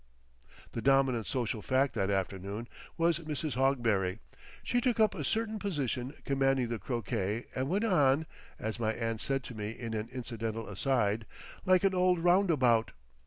The dominant social fact that afternoon was Mrs. Hogberry; she took up a certain position commanding the croquet and went on, as my aunt said to me in an incidental aside, "like an old Roundabout."